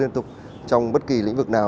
trong bất kỳ lĩnh vực nào